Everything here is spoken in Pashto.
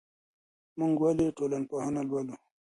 موږ ولي ټولنپوهنه لولو؟